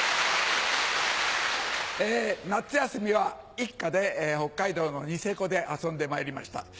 夏休みは一家で北海道のニセコで遊んでまいりました。